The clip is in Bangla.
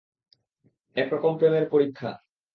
একরকম প্রেমের পরীক্ষা।